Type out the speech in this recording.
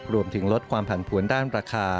รวมถึงลดความผันผวนด้านราคา